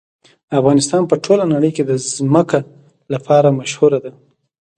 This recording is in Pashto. افغانستان په ټوله نړۍ کې د ځمکه لپاره مشهور دی.